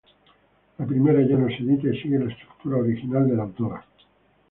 La primera ya no se edita y sigue la estructura original de la autora.